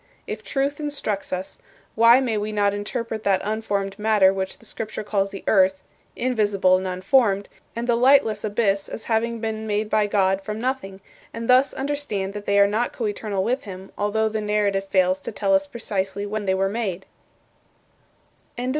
If Truth instructs us, why may we not interpret that unformed matter which the Scripture calls the earth invisible and unformed and the lightless abyss as having been made by God from nothing; and thus understand that they are not coeternal with him, although the narrative fails to tell us precisely when they were made?"